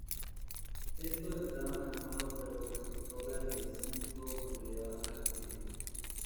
Estos entraban armados pero con la pistola en el cinto cuando llevaban la comida.